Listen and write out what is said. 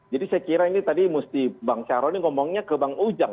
jadi saya kira ini tadi mesti bang syaroni ngomongnya ke bang ujang